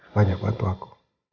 banyak bantu aku